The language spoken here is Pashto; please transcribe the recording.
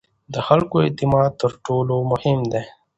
د خلکو اعتماد تر ټولو مهم دی